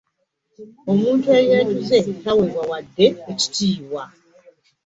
Omuntu eyeetuze taweebwa wadde ekitiibwa.